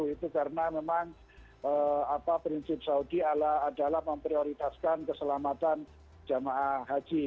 itu karena memang prinsip saudi adalah memprioritaskan keselamatan jemaah haji